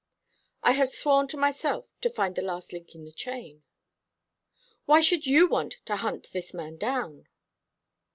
"I have sworn to myself to find the last link in the chain." "Why should you want to hunt this man down?"